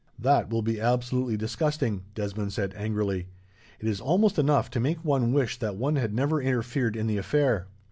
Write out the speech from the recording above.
"That will be absolutely disgusting," Desmond said, angrily. "It is almost enough to make one wish that one had never interfered in the affair."